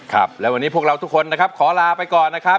ครับและวันนี้พวกเราทุกคนนะครับขอลาไปก่อนนะครับ